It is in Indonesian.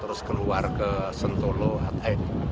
terus keluar ke sento eh keluar bojolali ke sholotigo ya